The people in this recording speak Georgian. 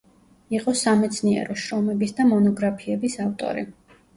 იყო სამეცნიერო შრომების და მონოგრაფიების ავტორი.